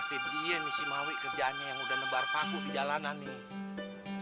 pasti dia nih si mawi kerjanya yang udah nebar paku di jalanan nih